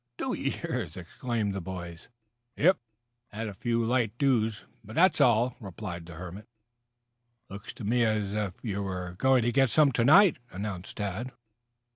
"Two years!" exclaimed the boys. "Yep. Had a few light dews, but that's all," replied the hermit. "Looks to me as if you were going to get some to night," announced Tad.